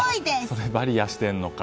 それ、バリアしてるのか。